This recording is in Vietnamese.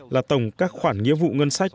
là tổng các khoản nghĩa vụ ngân sách